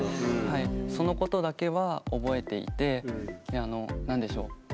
そのことだけは覚えていて何でしょう。